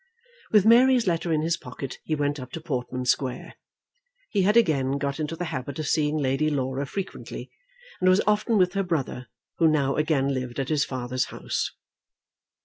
With Mary's letter in his pocket he went up to Portman Square. He had again got into the habit of seeing Lady Laura frequently, and was often with her brother, who now again lived at his father's house.